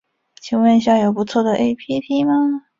请问一下有不错的 ㄟＰＰ 吗